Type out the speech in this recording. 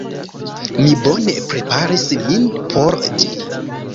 Mi bone preparis min por ĝi.